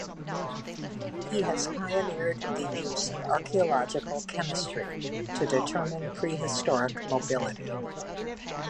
He has pioneered the use of archaeological chemistry to determine prehistoric mobility.